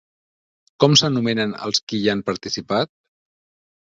Com s'anomenen els qui hi han participat?